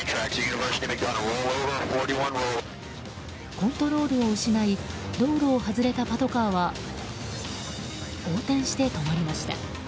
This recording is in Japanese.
コントロールを失い道路を外れたパトカーは横転して止まりました。